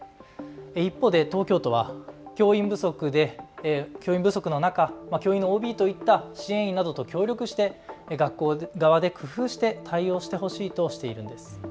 一方で東京都は教員不足の中、教員のＯＢといった支援員などと協力して学校側で工夫して対応してほしいとしているんです。